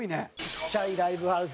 ちっちゃいライブハウス